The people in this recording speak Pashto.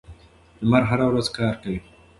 لمر هره ورځ کار کوي.